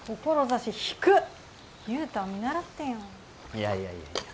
いやいやいやいや。